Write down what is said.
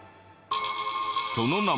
その名も